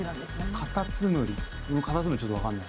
カタツムリカタツムリちょっと分かんないな。